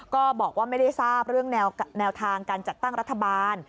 ก็บอกว่าไม่ได้ทราบเรื่องแนวทางการจัดตั้งรัฐบาล